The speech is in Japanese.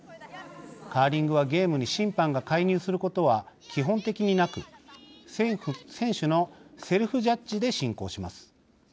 カーリングは、ゲームに審判が介入することは基本的になく選手のセルフジャッジで進行します。